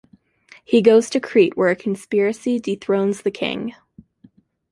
He goes to Crete where a conspiracy dethrones the king.